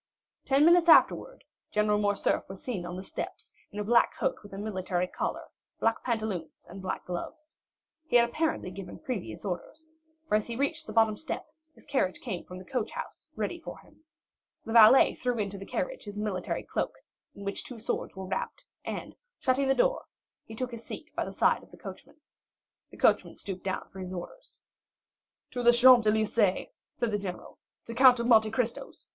Ten minutes afterwards, General Morcerf was seen on the steps in a black coat with a military collar, black pantaloons, and black gloves. He had apparently given previous orders, for as he reached the bottom step his carriage came from the coach house ready for him. The valet threw into the carriage his military cloak, in which two swords were wrapped, and, shutting the door, he took his seat by the side of the coachman. The coachman stooped down for his orders. "To the Champs Élysées," said the general; "the Count of Monte Cristo's.